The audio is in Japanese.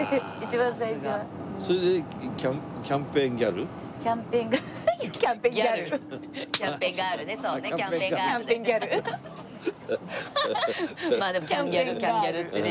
まあでもキャンギャルキャンギャルってね。